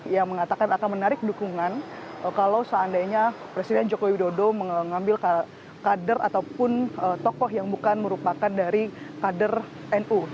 yang mengatakan akan menarik dukungan kalau seandainya presiden jokowi dodo mengambil kader ataupun tokoh yang bukan merupakan dari kader nu